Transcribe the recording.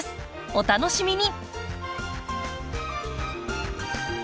お楽しみに！